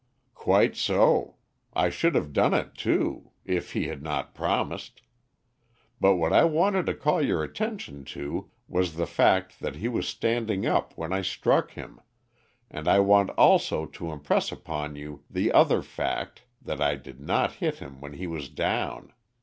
"Quite so. I should have done it, too, if he had not promised. But what I wanted to call your attention to, was the fact that he was standing up when I struck him, and I want also to impress upon you the other fact, that I did not hit him when he was down.